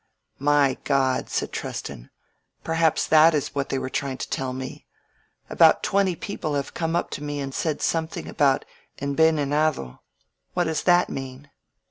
"My Grod," said Treston. "Perhaps that is what they were trying to tell me. About twenty people have €ome up to me and said something about envenenado. What does that mean?"